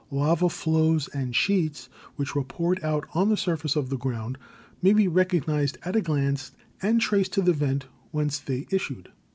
Lava Flows and Sheets which were poured out on the surface of the ground may be recog nised at a glance and traced to the vent whence they issued.